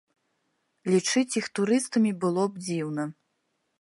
Лічыць іх турыстамі было б дзіўна.